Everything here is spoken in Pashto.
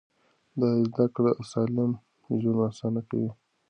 دا زده کړه سالم ژوند اسانه کوي.